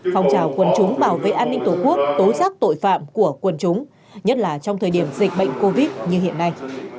phòng trào quân chúng bảo vệ an ninh tổ quốc tố giác tội phạm của quân chúng nhất là trong thời điểm dịch bệnh covid như hiện nay